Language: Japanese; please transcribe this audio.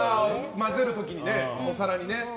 混ぜる時にね、お皿にね。